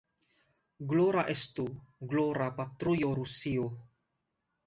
Glora estu, glora, patrujo Rusio!